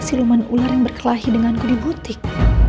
siluman ular yang berkelahi denganku di butik